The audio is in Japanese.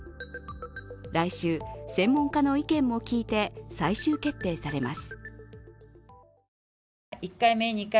来週専門家の意見も聞いて最終決定されます。